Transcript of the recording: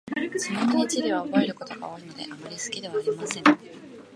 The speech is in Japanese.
ちなみに、地理は覚えることが多いので、あまり好きではありません。